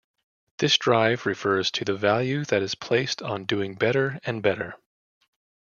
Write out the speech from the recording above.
This drive refers to the value that is placed on doing better and better.